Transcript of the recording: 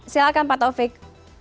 silahkan pak taufik